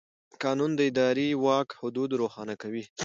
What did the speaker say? قانون د اداري واک حدود روښانه کوي.